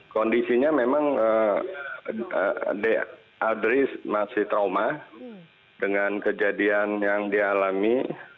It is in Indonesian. kondisinya memang adris masih trauma dengan kejadian yang dialami